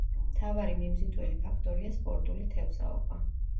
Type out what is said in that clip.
მთავარი მიმზიდველი ფაქტორია სპორტული თევზაობა.